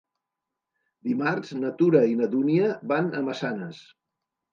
Dimarts na Tura i na Dúnia van a Massanes.